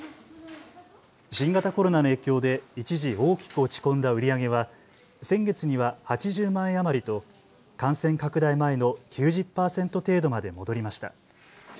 新型コロナの影響で一時、大きく落ち込んだ売り上げは先月には８０万円余りと感染拡大前の９０％程度まで戻りました。